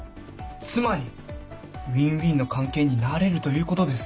つまりウィンウィンの関係になれるということです。